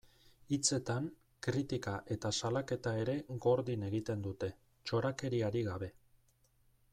Hitzetan, kritika eta salaketa ere gordin egiten dute, txorakeriarik gabe.